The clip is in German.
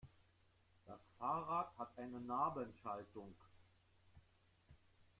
Das Fahrrad hat eine Nabenschaltung.